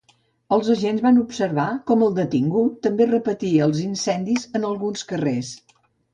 Els agents van observar com el detingut també repetia els incendis en alguns carrers.